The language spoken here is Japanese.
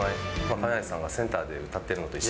亀梨さんがセンターで歌っているのと一緒。